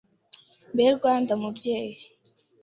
Mbe Rwanda mubyeyi